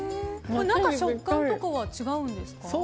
中、食感とかは違うんですね。